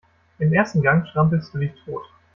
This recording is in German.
Im ersten Gang strampelst du dich tot.